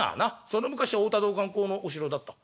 その昔は太田道灌公のお城だった」。